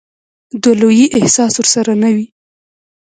د لويي احساس ورسره نه وي.